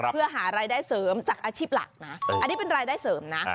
เพื่อหารายได้เสริมจากอาชีพหลักนะอันนี้เป็นรายได้เสริมนะ